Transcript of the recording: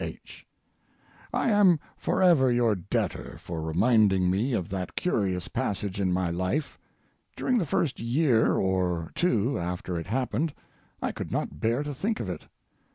H., I am forever your debtor for reminding me of that curious passage in my life. During the first year or, two after it happened, I could not bear to think of it.